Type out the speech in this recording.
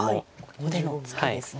ここでのツケですね。